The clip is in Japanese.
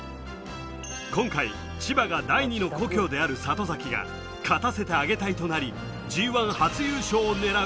今回、千葉が第二の故郷である里崎が勝たせてあげ隊となりＧ１初優勝を狙う。